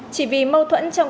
chỉ vì mâu thuẫn trong công an